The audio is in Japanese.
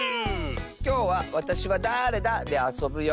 きょうは「わたしはだれだ？」であそぶよ！